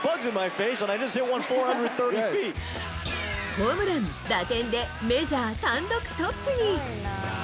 ホームラン、打点でメジャー単独トップに。